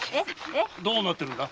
どうなってるんだ？